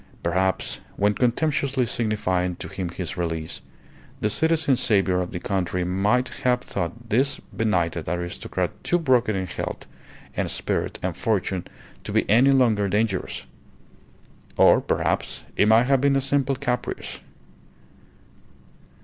Perhaps, when contemptuously signifying to him his release, the Citizen Saviour of the Country might have thought this benighted aristocrat too broken in health and spirit and fortune to be any longer dangerous. Or, perhaps, it may have been a simple caprice.